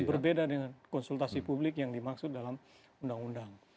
berbeda dengan konsultasi publik yang dimaksud dalam undang undang